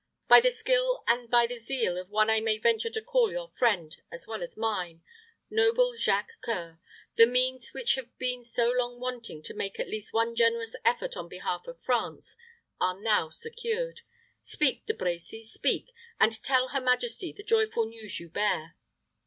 By the skill and by the zeal of one I may venture to call your friend as well as mine noble Jacques C[oe]ur the means which have been so long wanting to make at least one generous effort on behalf of France, are now secured. Speak, De Brecy speak, and tell her majesty the joyful news you bear."